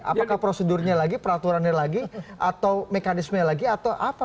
apakah prosedurnya lagi peraturannya lagi atau mekanisme lagi atau apa